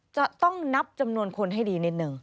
จะต้องนับจำนวนคนให้ดีนิดนึง